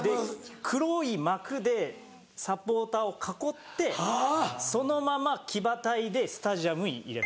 黒い幕でサポーターを囲ってそのまま騎馬隊でスタジアムに入れます。